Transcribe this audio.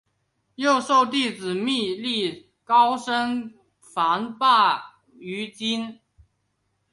又授弟子觅历高声梵呗于今。